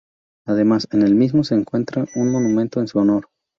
Además, en el mismo se encuentra un monumento en su honor.